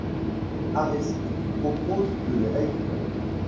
Areski propose de les réécrire.